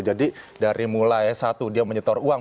jadi dari mulai satu dia menyetor uang